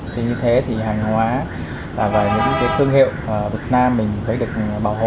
thì như thế thì hàng hóa và những cái thương hiệu việt nam mình mới được bảo hộ